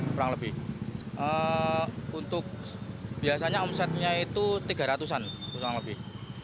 kurang lebih untuk biasanya omsetnya itu tiga ratus an kurang lebih